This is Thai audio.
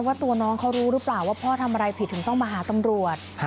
ว่าตัวน้องเขารู้หรือเปล่าว่าพ่อทำอะไรผิดถึงต้องมาหาตำรวจ